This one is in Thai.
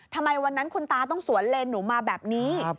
ทำไมวันนั้นคุณตาต้องสวนเลนหนูมาแบบนี้